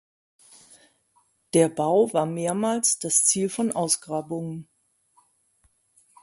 Der Bau war mehrmals das Ziel von Ausgrabungen.